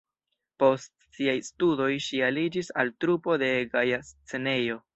Post siaj studoj ŝi aliĝis al trupo de "Gaja Scenejo".